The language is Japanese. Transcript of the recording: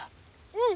うん。